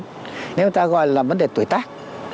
nếu người ta gọi là vấn đề tuổi tác